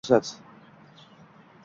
Ming yil fursat